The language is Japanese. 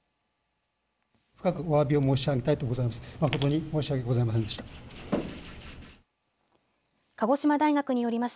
深くおわびを申し上げたいと思います。